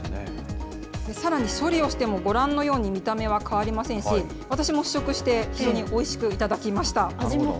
さらに処理をしても、ご覧のように見た目は変わりませんし、私も試食して、非常においしく頂きました。